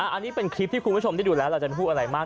อันนี้เป็นคลิปที่คุณผู้ชมได้ดูแล้วเราจะไม่พูดอะไรมาก